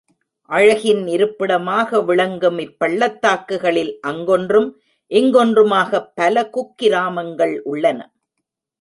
அழகின் இருப்பிடமாக விளங்கும் இப்பள்ளத்தாக்குகளில் அங்கொன்றும் இங்கொன்றுமாகப் பல குக்கிராமங்கள் உள்ளன.